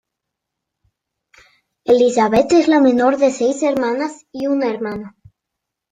Elizabeth es la menor de seis hermanas y un hermano.